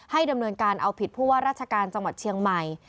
ดำเนินการเอาผิดผู้ว่าราชการจังหวัดเชียงใหม่